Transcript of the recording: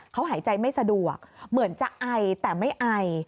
เขาหายใจไม่สะดวกเหมือนจะไอแต่ไม่ไอ